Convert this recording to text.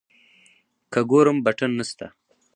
که ګورم بټن نسته.